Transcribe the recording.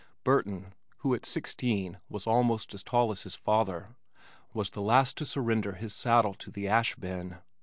Burton who at sixteen was almost as tall as his father was the last to surrender his saddle to the ash bin.